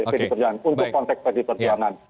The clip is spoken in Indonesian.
pdi perjuangan untuk konteks pdi perjuangan